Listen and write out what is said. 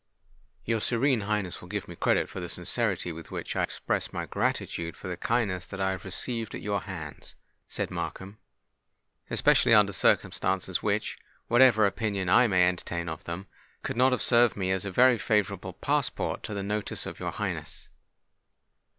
"Your Serene Highness will give me credit for the sincerity with which I express my gratitude for the kindness that I have received at your hands," said Markham; "especially under circumstances, which—whatever opinion I may entertain of them—could not have served me as a very favourable passport to the notice of your Highness."